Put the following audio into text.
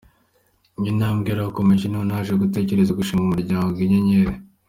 Iyo ntambwe yarakomeje niho naje gutekereza gushinga Umuryango Inyenyeri.